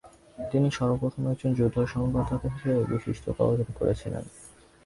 তিনি সর্বপ্রথম একজন যুদ্ধ সংবাদদাতা হিসাবে বিশিষ্টতা অর্জন করেছিলেন।